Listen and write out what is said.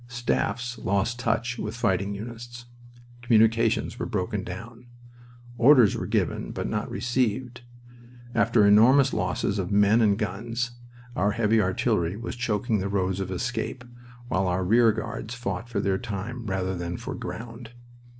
Staffs lost touch with fighting units. Communications were broken down. Orders were given but not received. After enormous losses of men and guns, our heavy artillery was choking the roads of escape, while our rear guards fought for time rather than for ground.